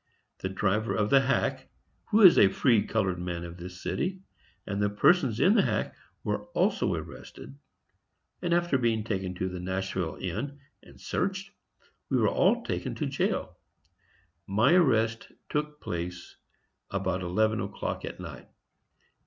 The driver of the hack (who is a free colored man of this city), and the persons in the hack, were also arrested; and after being taken to the Nashville Inn and searched, we were all taken to jail. My arrest took place about eleven o'clock at night.